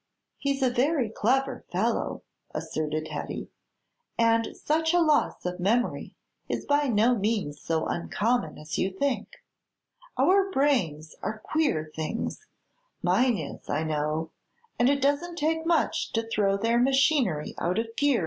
"He's a very clever fellow," asserted Hetty, "and such a loss of memory is by no means so uncommon as you think. Our brains are queer things mine is, I know and it doesn't take much to throw their machinery out of gear.